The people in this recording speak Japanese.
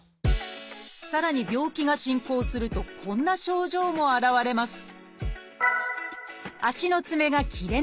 さらに病気が進行するとこんな症状も現れます